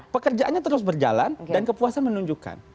pekerjaannya terus berjalan dan kepuasan menunjukkan